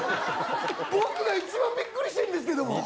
僕が一番ビックリしてるんですけども。